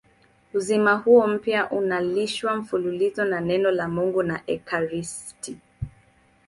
Uzima huo mpya unalishwa mfululizo na Neno la Mungu na ekaristi.